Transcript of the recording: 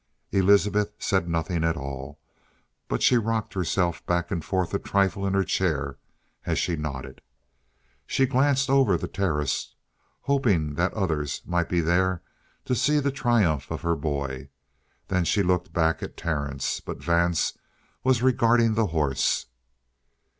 Elizabeth said nothing at all. But she rocked herself back and forth a trifle in her chair as she nodded. She glanced over the terrace, hoping that others might be there to see the triumph of her boy. Then she looked back at Terence. But Vance was regarding the horse.